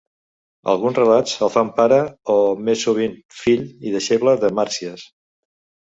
Alguns relats el fan pare, o, més sovint, fill i deixeble de Màrsies.